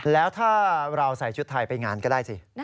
แล้วถ้าเราใส่ชุดไทยไปงานก็ได้สิ